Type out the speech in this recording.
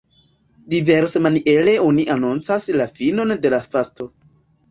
Diversmaniere oni anoncas la finon de la fasto.